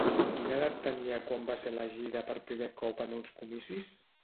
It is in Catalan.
Quina edat tenia quan va ser elegida per primer cop en uns comicis?